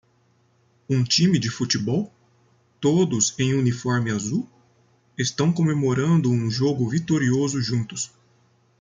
Um time de futebol? todos em uniforme azul? estão comemorando um jogo vitorioso juntos.